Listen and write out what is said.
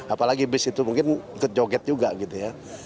apalagi bis itu mungkin ikut joget juga gitu ya